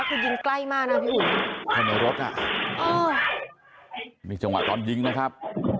คุณยิงใกล้มานะพี่อุ้ยข้างในรถน่ะอ่ามีจังหวะตอนยิงนะครับ